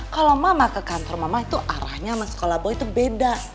kalau mama ke kantor mama itu arahnya sama sekolah bawa itu beda